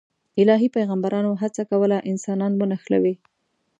الهي پیغمبرانو هڅه کوله انسانان ونښلوي.